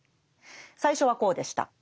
最初はこうでした。